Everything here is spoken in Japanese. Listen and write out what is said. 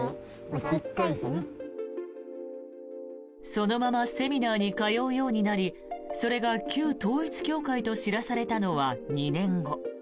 そのままセミナーに通うようになりそれが旧統一教会と知らされたのは２年後。